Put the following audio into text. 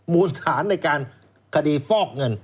มูลฐานในการคดีฟอกเงิน